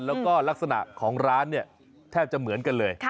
แล้วก็ลักษณะของร้านเนี่ยแทบจะเหมือนกันเลย